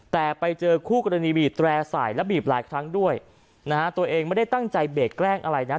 แต่ไปเจอคู่กรณีบีบแตร่ใส่และบีบหลายครั้งด้วยนะฮะตัวเองไม่ได้ตั้งใจเบรกแกล้งอะไรนะ